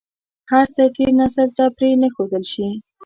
هر څه تېر نسل ته پرې نه ښودل شي.